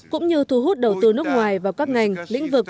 cũng như thu hút đầu tư nước ngoài vào các ngành lĩnh vực